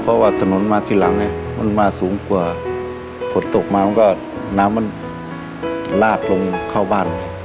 เพราะว่าถนนมาทีหลังไงมันมาสูงกว่าฝนตกมามันก็น้ำมันลาดลงเข้าบ้าน